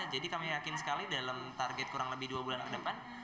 jadi kami yakin sekali dalam target kurang lebih dua bulan ke depan